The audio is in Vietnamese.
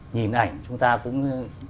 nhìn ảnh chúng ta cũng